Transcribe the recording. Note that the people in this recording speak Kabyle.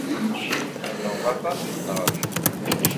Acimi i theddreḍ aṭas di tneɣrit?